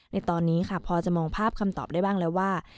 ในตอนนี้ค่ะพอจะมองภาพคำตอบได้บ้างแล้วว่า